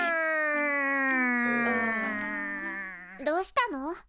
どうしたの？